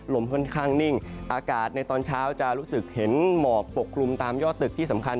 ค่อนข้างนิ่งอากาศในตอนเช้าจะรู้สึกเห็นหมอกปกคลุมตามยอดตึกที่สำคัญ